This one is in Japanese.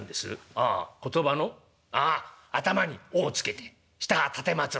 ああ言葉のあっ頭に『お』を付けて下が『奉る』。